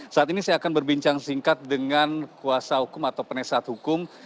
saat ini saya akan berbincang singkat dengan kuasa hukum atau penesat hukum